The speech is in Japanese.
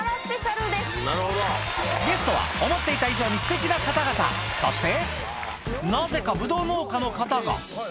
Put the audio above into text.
ゲストは思っていた以上にすてきな方々そしてなぜかブドウ農家の方がはい。